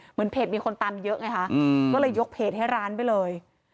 เหมือนเพจมีคนตามเยอะไงคะก็เลยยกเพจให้ร้านไปเลย